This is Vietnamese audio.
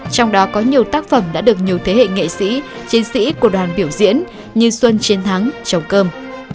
trong đó có nhiều tác phẩm đã được nhiều thế hệ nghệ sĩ chiến sĩ của đoàn biểu diễn như xuân chiến thắng trồng cơm